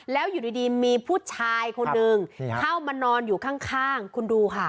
แล้วอยู่ดีมีผู้ชายคนนึงเข้ามานอนอยู่ข้างคุณดูค่ะ